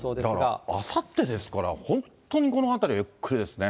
だからあさってですから、本当にこの辺り、ゆっくりですね。